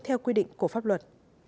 theo quy định của pháp luật